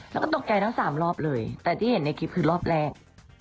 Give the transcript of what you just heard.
แล้วก็ตกใจทั้งสามรอบเลยแต่ที่เห็นในคลิปคือรอบแรก